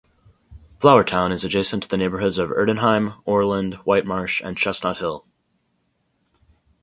Flourtown is adjacent to the neighborhoods of Erdenheim, Oreland, Whitemarsh, and Chestnut Hill.